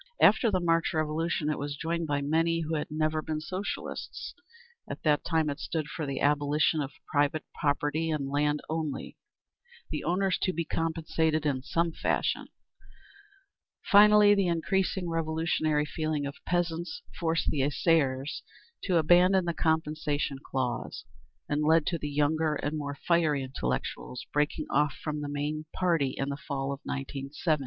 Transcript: After the March Revolution, it was joined by many who had never been Socialists. At that time it stood for the abolition of private property in land only, the owners to be compensated in some fashion. Finally the increasing revolutionary feeling of peasants forced the Essaires to abandon the "compensation" clause, and led to the younger and more fiery intellectuals breaking off from the main party in the fall of 1917 and forming a new party, the _Left Socialist Revolutionary party.